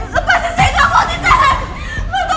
lepasin saya enggak mau disahkan